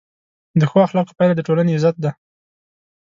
د ښو اخلاقو پایله د ټولنې عزت ده.